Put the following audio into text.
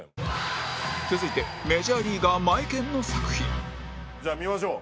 続いてメジャーリーガーマエケンの作品じゃあ見ましょう。